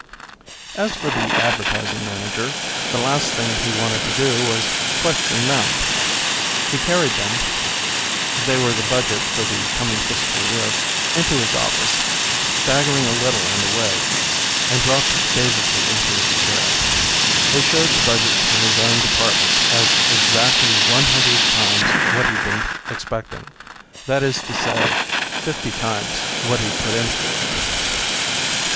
As for the Advertising Manager, the last thing he wanted to do was question them. He carried them (they were the budget for the coming fiscal year) into his office, staggering a little on the way, and dropped dazedly into his chair. They showed the budget for his own department as exactly one hundred times what he'd been expecting. That is to say, fifty times what he'd put in for.